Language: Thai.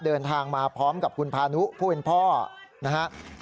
เดินทางมาพร้อมกับคุณพานุผู้เป็นพ่อนะครับ